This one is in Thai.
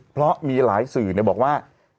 เพราะมีหลายสื่อบอกว่า